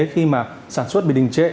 khi mà sản xuất bị đình trệ